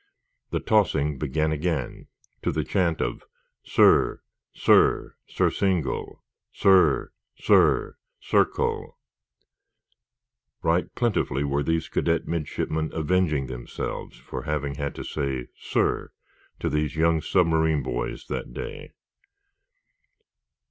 The tossing began again, to the chant of: Sir, sir, surcingle! Sir, sir, circle! Right plentifully were these cadet midshipmen avenging themselves for having had to say "sir" to these young submarine boys that day.